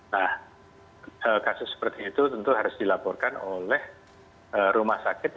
nah kasus seperti itu tentu harus dilaporkan oleh rumah sakit